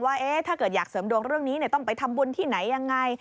ว่าถ้าเกิดอยากเสริมดวงเรื่องนี้ต้องไปทำบุญที่ไหนยังไง